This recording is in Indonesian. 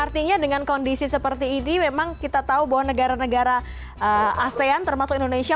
artinya dengan kondisi seperti ini memang kita tahu bahwa negara negara asean termasuk indonesia